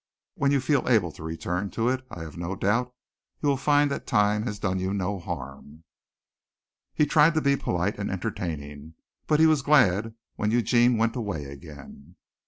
When you feel able to return to it I have no doubt you will find that time has done you no harm." He tried to be polite and entertaining, but he was glad when Eugene went away again.